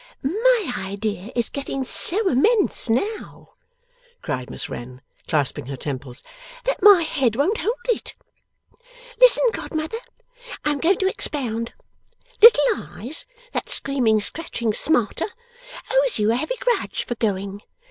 'My idea is getting so immense now,' cried Miss Wren, clasping her temples, 'that my head won't hold it! Listen, godmother; I am going to expound. Little Eyes (that's Screaming Scratching Smarter) owes you a heavy grudge for going.